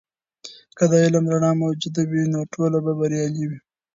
که د علم رڼا موجوده وي، نو ټولنه به بریالۍ وي.